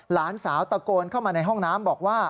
หลานสาวตะโกนเข้ามาในห้องน้ำบอกว่า